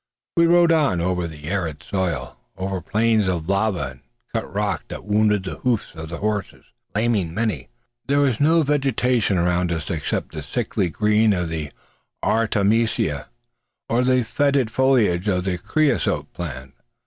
We rode on over the arid soil; over plains of lava and cut rock that wounded the hoofs of our horses, laming many. There was no vegetation around us except the sickly green of the artemisia, or the fetid foliage of the creosote plant.